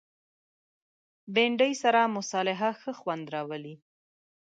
بېنډۍ سره مصالحه ښه خوند راولي